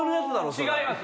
違います！